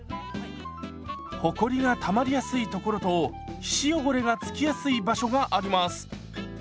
ほこりがたまりやすい所と皮脂汚れがつきやすい場所があります。